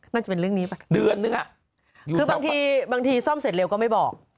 น่าจะเป็นเรื่องนี้ไป